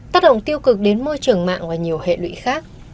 tác động tiêu cực đến môi trường mạng và nhiều hệ lụy khác